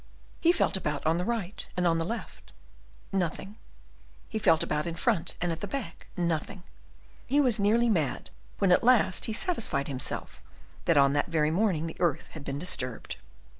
He felt about on the right, and on the left, nothing. He felt about in front and at the back, nothing. He was nearly mad, when at last he satisfied himself that on that very morning the earth had been disturbed.